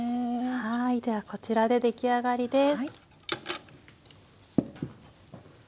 はいではこちらで出来上がりです！